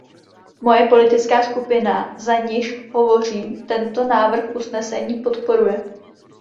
Moje politická skupina, za niž hovořím, tento návrh usnesení podporuje.